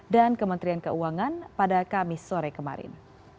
dan kementerian keuangan pada kamis sore kemarin